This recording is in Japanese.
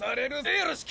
よろしく！